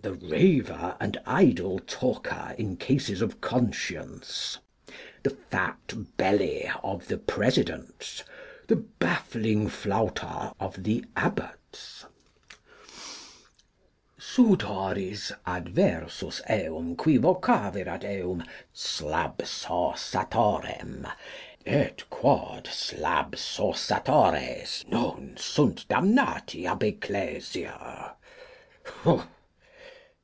The Raver and idle Talker in cases of Conscience. The Fat Belly of the Presidents. The Baffling Flouter of the Abbots. Sutoris adversus eum qui vocaverat eum Slabsauceatorem, et quod Slabsauceatores non sunt damnati ab Ecclesia.